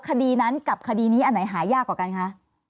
คดีนั้นกับคดีนี้อันไหนหายากกว่ากันคะ